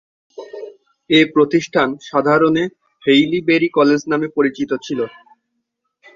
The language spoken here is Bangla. এ প্রতিষ্ঠান সাধারণে হেইলিবেরি কলেজ নামে পরিচিত ছিল।